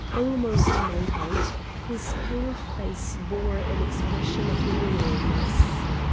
Almost my height, his pale face bore an expression of weariness.